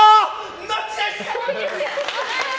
ノッチです！